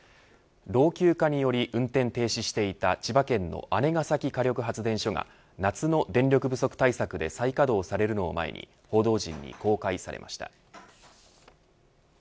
老朽化により運転停止していた千葉県の姉崎火力発電所が夏の電力不足対策で再稼働されるのを前に報道陣に公開されました。